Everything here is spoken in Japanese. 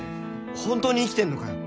本当に生きてんのかよ。